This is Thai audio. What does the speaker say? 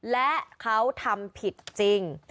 และเขาทำผิดจริง